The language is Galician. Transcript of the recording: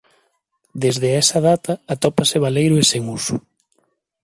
Desde esa data atópase baleiro e sen uso.